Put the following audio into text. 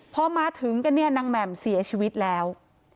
พอมาถึงกันเนี่ยนางแหม่มเสียชีวิตแล้ว